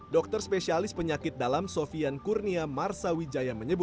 dokter spesialis penyakit dalam sofian kurnia marsawijaya menyebut